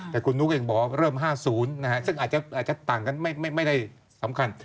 แต่คุณนุ๊กเองบอกว่าเริ่ม๕๐ซึ่งอาจจะต่างกันไม่ได้สำคัญ